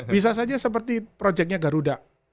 bisa saja seperti proyeknya garuda